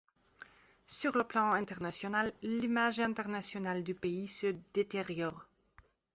Sur le plan international, l'image internationale du pays se détériore.